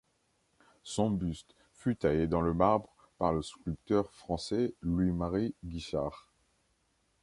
Son buste fut taillé dans le marbre par le sculpteur français Louis-Marie Guichard.